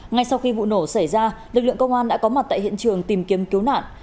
ngay sau khi vụ nổ xảy ra lực lượng công an đã có mặt tại hiện trường tìm kiếm cứu nạn